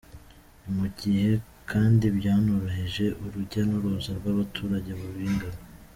Ni mu gihe kandi byanoroheje urujya n’uruza rw’abaturage babigana.